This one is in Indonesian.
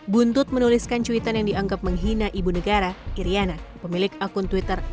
buntut menuliskan cuitan yang dianggap menghina ibu negara iryana pemilik akun twitter